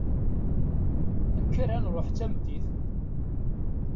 Kker ad nṛuḥ d tameddit.